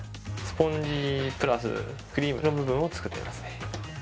スポンジプラスクリームの部分を作っていますね。